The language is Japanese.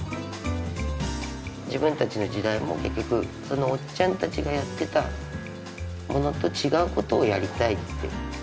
自分たちの時代も結局そのおっちゃんたちがやってたものと違うことをやりたいって。